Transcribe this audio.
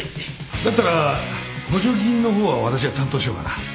だったら補助金の方は私が担当しようかな。